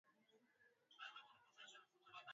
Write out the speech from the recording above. virusi hivyo vitakuwa vimeshatengeneza ugonjwa wenyewe